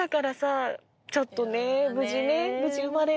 ちょっとね無事ね。